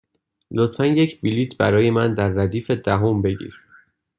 لطفا یک بلیط برای من در ردیف دهم بگیر.